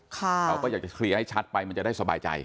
เราก็อยากจะเคลียร์ให้ชัดไปมันจะได้สบายใจ